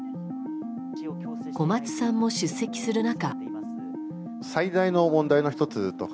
小松さんも出席する中。